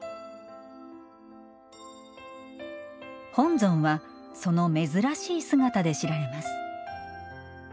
本尊はその珍しい姿で知られます。